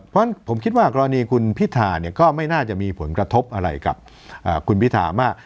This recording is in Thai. เพราะผมคิดว่ากรณีคุณพิธาเนี่ยก็ไม่น่าจะมีผลกระทบอะไรกับคุณพิธามาก